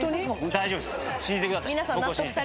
大丈夫ですかね。